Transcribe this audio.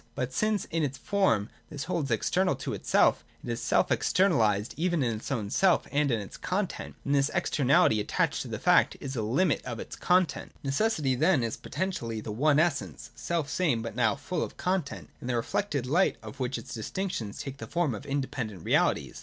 But since in its 'form this whole is external to itself, it is self externalised even in its own self and in its content, and this exter nality, attaching to the fact, is a limit of its content. 149, I50 J SUBSTANCE AND ACCIDENTS. 273 149.] Necessity, then, is potentially the one essence, self same but now full of content, in the reflected light of which its distinctions take the form of independent realities.